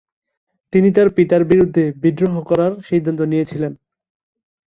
তিনি তার পিতার বিরুদ্ধে বিদ্রোহ করার সিদ্ধান্ত নিয়েছিলেন।